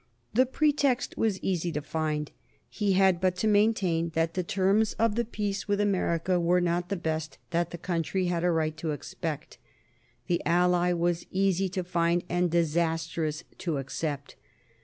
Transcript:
The pretext was easy to find. He had but to maintain that the terms of the peace with America were not the best that the country had a right to expect. The ally was easy to find and disastrous to accept.